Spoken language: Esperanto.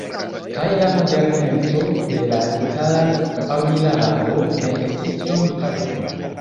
Kaj la moderneco de la itala armilaro ne estis tiom taŭga.